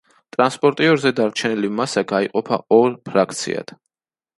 ტრანსპორტიორზე დარჩენილი მასა გაიყოფა ორ ფრაქციად.